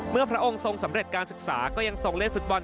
พระองค์ทรงสำเร็จการศึกษาก็ยังทรงเล่นฟุตบอล